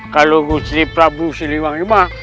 kalau gusti prabu siliwangi mah